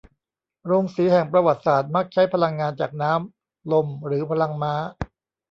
โรงสีแห่งประวัติศาสตร์มักใช้พลังงานจากน้ำลมหรือพลังม้า